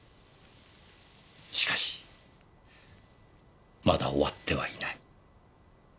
しかしまだ終わってはいない。